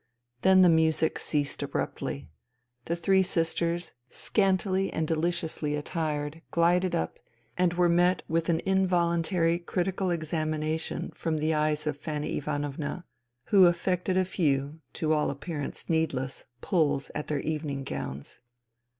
Then the music ceased abruptly. The three sisters, scantily and deliciously attired, glided up, and were met with an involuntary critical examination from the eyes of Fanny Ivanovna, who effected a few, to all appearance needless, pulls at their evening gowns.